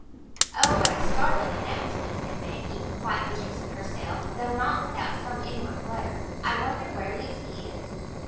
"Oh, what a startling announcement!" said Maggie, quite mistress of herself, though not without some inward flutter. "I wonder where Lucy is."